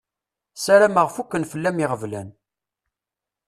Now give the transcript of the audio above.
Sarameɣ fukken fell-am iɣeblan.